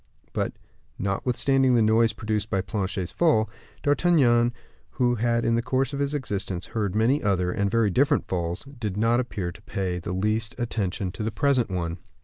But, notwithstanding the noise produced by Planchet's fall, D'Artagnan, who had in the course of his existence heard many other, and very different falls, did not appear to pay the least attention to the present one.